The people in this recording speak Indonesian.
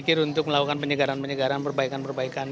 berpikir untuk melakukan penyegaran penyegaran perbaikan perbaikan